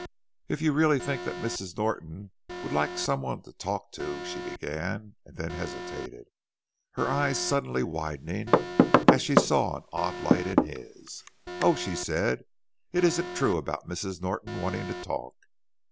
"If you really think that Mrs. Norton would like some one to talk to " she began, and then hesitated, her eyes suddenly widening as she saw an odd light in his. "Oh!" she said, "it isn't true about Mrs. Norton wanting to talk.